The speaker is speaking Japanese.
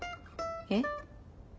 えっ？